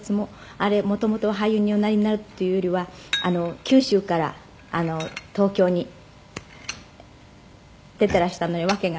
「あれ元々俳優におなりになるっていうよりは九州から東京に出ていらしたのには訳があって」